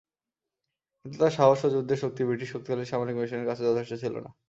কিন্তু তার সাহস ও যুদ্ধের শক্তি ব্রিটিশ শক্তিশালী সামরিক মেশিনের কাছে যথেষ্ট ছিল না।